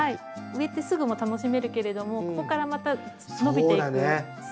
植えてすぐも楽しめるけれどもここからまた伸びていく姿も。